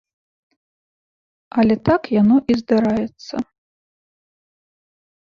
Але так яно і здараецца.